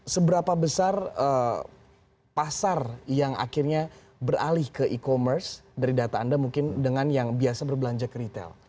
seberapa besar pasar yang akhirnya beralih ke e commerce dari data anda mungkin dengan yang biasa berbelanja ke retail